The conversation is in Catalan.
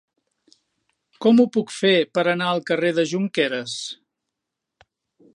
Com ho puc fer per anar al carrer de Jonqueres?